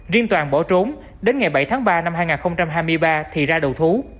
riêng toàn bỏ trốn đến ngày bảy tháng ba năm hai nghìn hai mươi ba thì ra đầu thú